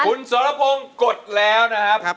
คุณสรพงศ์กดแล้วนะครับ